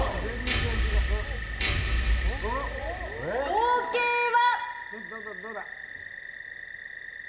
合計は？